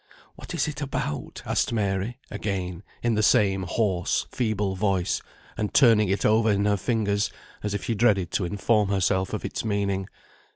"What is it about?" asked Mary again, in the same hoarse, feeble voice, and turning it over in her fingers, as if she dreaded to inform herself of its meaning.